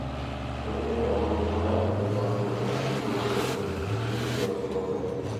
Plně harmonizovaná pravidla směrnice budou pro spotřebitele přínosem.